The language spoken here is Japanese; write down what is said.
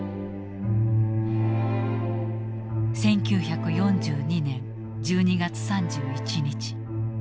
１９４２年１２月３１日。